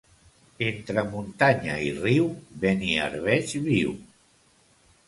Entre muntanya i riu, Beniarbeig viu.